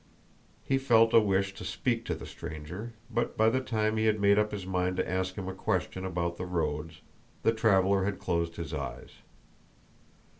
He felt a wish to speak to the stranger, but by the time he had made up his mind to ask him a question about the roads, the traveler had closed his eyes.